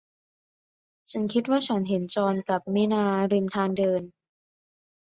ฉันคิดว่าฉันเห็นจอห์นกับมินาริมทางเดิน